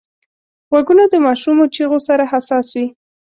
غوږونه د ماشومو چیغو سره حساس وي